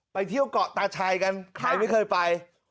ไปเที่ยวเกาะตาชัยกันใครไม่เคยไป